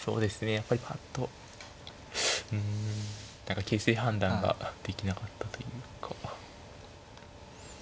やっぱりぱっとうん形勢判断ができなかったというか。